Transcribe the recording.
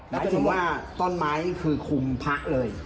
แล้วก็ถึงว่าต้นไม้คือคุมพระเลย